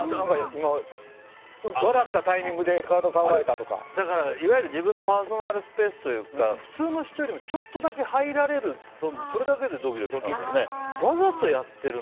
今笑ったタイミングでいわゆる自分のパーソナルスペースというか普通の人よりもちょっとだけ入られるとそれだけでドキドキしますよね。